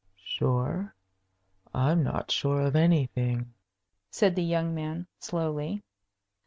"Sure? I'm not sure of anything," said the young man, slowly.